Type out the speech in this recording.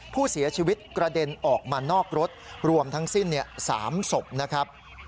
ผู้เสียชีวิตกระเด็นออกมานอกรถรวมทั้งสิ้น๓ศพนะครับ